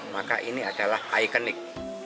maka ini adalah ikonik